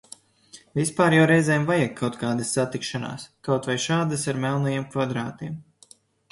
Vispār jau reizēm vajag kaut kādas satikšanās, kaut vai šādas ar melnajiem kvadrātiem.